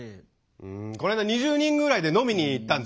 うんこの間２０人ぐらいで飲みに行ったんですよね。